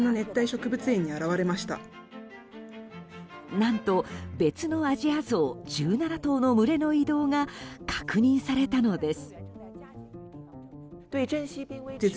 何と別のアジアゾウ１７頭の群れの移動が確認されたのです。